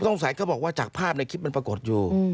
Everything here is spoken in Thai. สงสัยเขาบอกว่าจากภาพในคลิปมันปรากฏอยู่